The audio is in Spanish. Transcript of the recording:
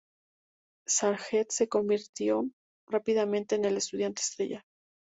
Sargent se convirtió rápidamente en el estudiante estrella.